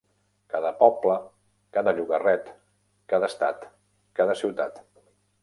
Cada poble, cada llogarret, cada estat, cada ciutat.